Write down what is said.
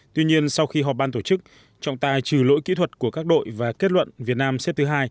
tuy nhiên sau khi họp ban tổ chức trọng tài trừ lỗi kỹ thuật của các đội và kết luận việt nam xếp thứ hai